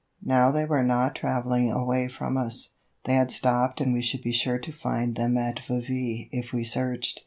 Now they were not traveling away from us. They had stopped and we should be sure to find them at Vevy if we searched.